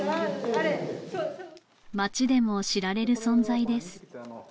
あれ町でも知られる存在です